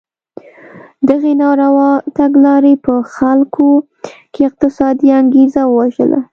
دغې ناروا تګلارې په خلکو کې اقتصادي انګېزه ووژله.